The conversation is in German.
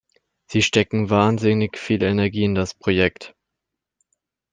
Sie stecken wahnsinnig viel Energie in das Projekt.